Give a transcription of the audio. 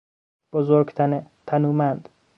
بزرگ تنه، تنومند